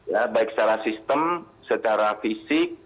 ya baik secara sistem secara fisik